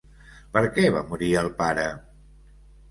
Per què va morir el pare?